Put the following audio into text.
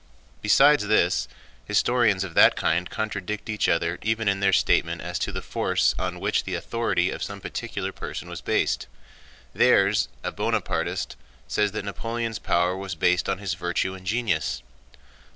Besides this, historians of that kind contradict each other even in their statement as to the force on which the authority of some particular person was based. Thiers, a Bonapartist, says that Napoleon's power was based on his virtue and genius.